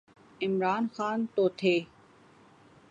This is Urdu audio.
عمران خان تو تھے۔